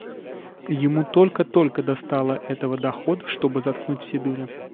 Ему только-только достало этого дохода, чтобы заткнуть все дыры.